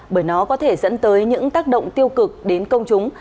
bởi nó có thể dẫn tới những tác động tiêu cực đến công chúng